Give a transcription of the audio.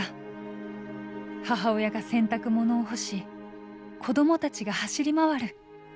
母親が洗濯物を干し子供たちが走り回る。